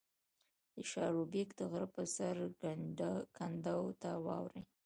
د شاړوبېک د غره په سر کنډو ته واوړې